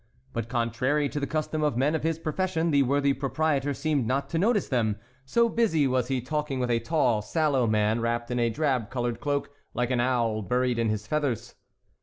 But contrary to the custom of men of his profession, the worthy proprietor seemed not to notice them, so busy was he talking with a tall, sallow man, wrapped in a drab colored cloak like an owl buried in his feathers.